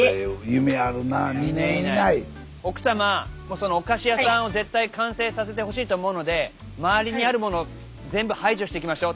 そのお菓子屋さんを絶対完成させてほしいと思うので周りにあるもの全部排除していきましょう。